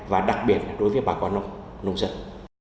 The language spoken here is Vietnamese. và đặc biệt là đối với bà con nông sản